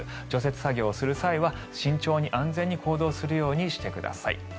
除雪作業をする際は慎重に安全に行動するようにしてください。